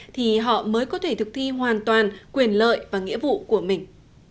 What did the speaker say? thì họ mới có thể thực thi hoàn toàn quyền lợi và nghĩa vụ của mình